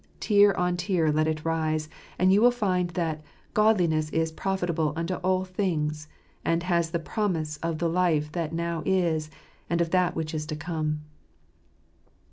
Tier on tier let it rise : and you will find that " Godliness is profitable unto all things, and has the promise of the life that now is, and of that which is to come."